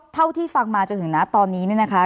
เท่าที่ฟังมาจนถึงนะตอนนี้เนี่ยนะคะ